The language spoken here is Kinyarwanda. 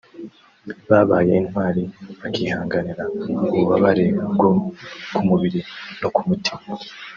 babaye intwari bakihanganira ububabare bwo ku mubiri no ku mutima